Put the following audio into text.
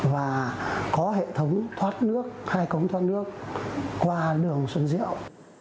và có hệ thống thoát nước khai cống thoát nước qua đường xuân diệu